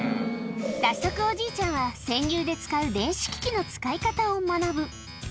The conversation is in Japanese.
早速、おじいちゃんは潜入で使う電子機器の使い方を学ぶ。